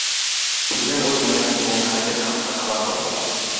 Prezident o‘ylamay qilingan harakat haqida xabar topdilar